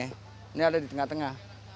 ini ada di tengah tengah